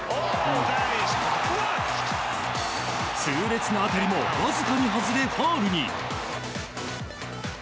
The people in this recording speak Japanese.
痛烈な当たりもわずかに外れファウルに。